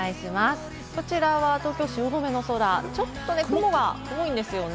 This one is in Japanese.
こちら東京・汐留の空、ちょっと雲が多いんですよね。